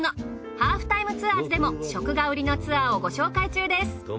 『ハーフタイムツアーズ』でも食が売りのツアーをご紹介中です。